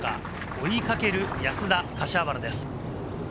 追いかける安田、柏原です。